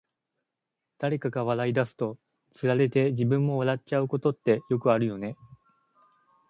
誰かが笑い出すと、つられて自分も笑っちゃうことってよくあるよね。